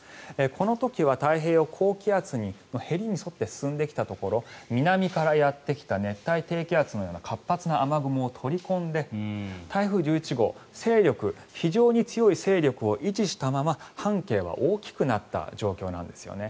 この時は太平洋高気圧のへりに沿って進んできたところ南からやってきた熱帯低気圧のような活発な雨雲を取り込んで台風１１号、勢力非常に強い勢力を維持したまま半径は大きくなった状態なんですね。